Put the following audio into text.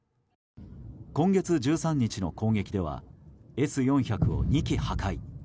今月１３日の攻撃ではＳ４００を２基破壊。